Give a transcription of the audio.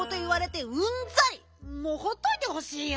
もうほっといてほしいよ。